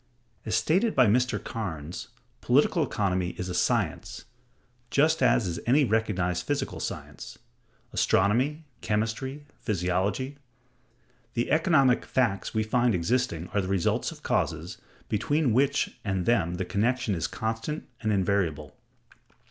As stated by Mr. Cairnes,(161) political economy is a science just as is any recognized physical science—astronomy, chemistry, physiology. The economic "facts we find existing are the results of causes, between which and them the connection is constant and invariable.